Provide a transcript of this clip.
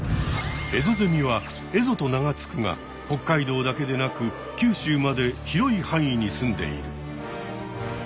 エゾゼミはエゾと名が付くが北海道だけでなく九州まで広い範囲にすんでいる。